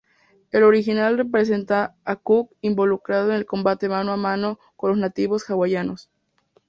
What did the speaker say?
El original representa a Cook involucrado en el combate mano-a-mano con los nativos Hawaianos.